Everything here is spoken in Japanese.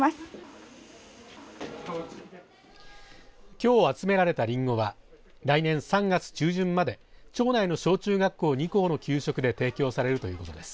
きょう集められたりんごは来年３月中旬まで町内の小中学校２校の給食で提供されるということです。